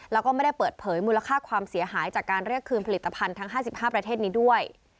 แล้วก็ไม่ได้เปิดเผยมูลค่าความเสียหายจากการเรียกคืนผลิตภัณฑ์ทั้ง๕๕ประเทศนี้ด้วย